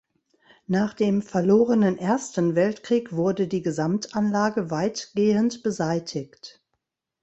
Nach dem verlorenen Ersten Weltkrieg wurde die Gesamtanlage weitgehend beseitigt.